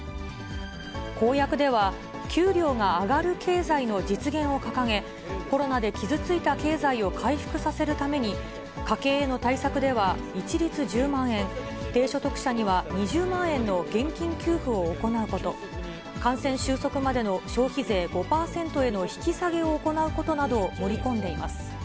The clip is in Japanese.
公約では、給料が上がる経済の実現を掲げ、コロナで傷ついた経済を回復させるために、家計への対策では一律１０万円、低所得者には２０万円の現金給付を行うこと、感染収束までの消費税５％への引き下げを行うことなどを盛り込んでいます。